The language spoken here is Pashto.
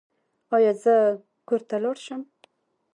ایا زه کور ته لاړ شم؟